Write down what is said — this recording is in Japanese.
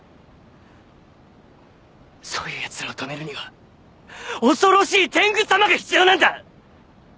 そういうやつらを止めるには恐ろしい天狗様が必要なんだ！